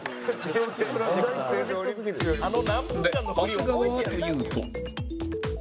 で長谷川はというと